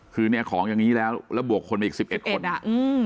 คือเนี่ยของอย่างนี้แล้วแล้วบวกคนไปอีกสิบเอ็ดคนอ่ะอืม